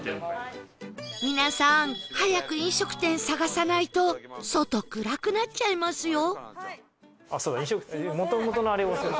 皆さん早く飲食店探さないと外暗くなっちゃいますよ